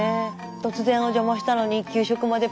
突然お邪魔したのに給食まで。